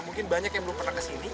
mungkin banyak yang belum pernah kesini